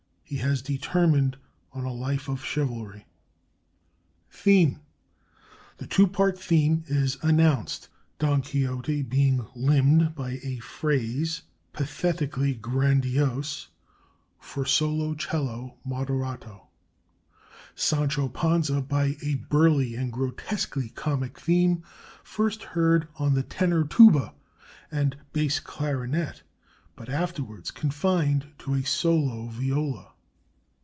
He has determined on a life of chivalry. THEME The two part theme is announced: Don Quixote being limned by a phrase, pathetically grandiose, for solo 'cello (moderato); Sancho Panza by a burly and grotesquely comic theme first heard on the tenor tuba and bass clarinet, but afterwards confined to a solo viola.